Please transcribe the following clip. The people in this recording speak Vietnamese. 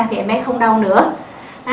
thì em bé không đau nữa